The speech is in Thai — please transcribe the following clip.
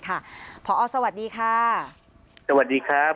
ผอสวัสดีค่ะสวัสดีครับ